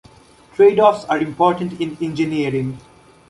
Tradeoffs are important in engineering.